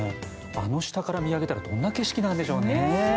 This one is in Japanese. あの下から見上げたらどんな景色なんでしょうね。